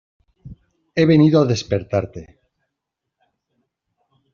he venido a despertarte.